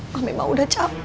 mami mah udah capek